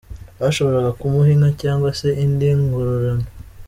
Bashoboraga kumuha inka cyangwa se indi ngororano.